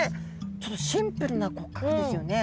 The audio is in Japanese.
ちょっとシンプルな骨格ですよね。